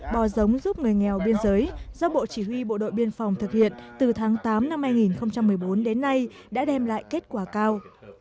bò giống giúp người nghèo biên giới do bộ chỉ huy bộ đội biên phòng thực hiện từ tháng tám năm hai nghìn một mươi bốn đến nay đã đem lại kết quả cao